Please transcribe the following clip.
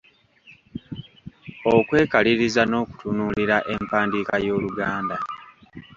Okwekaliriza n’okutunuulira empandiika y’Oluganda.